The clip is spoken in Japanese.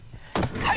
はい！